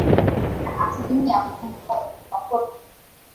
Na asilimia kumi na moja ni Wakurdi